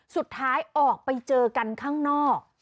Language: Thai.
สุดท้ายออกไปเจอกันข้างนอก